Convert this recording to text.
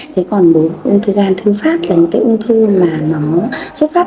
thế còn một cái uống thư gan thư phát là những cái uống thư mà nó xuất phát